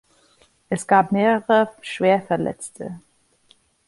Es gab mehrere Schwerverletzte.